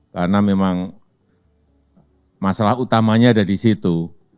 karena memang masalah utamanya ada di situ